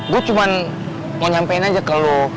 gue cuma mau nyampein aja ke lo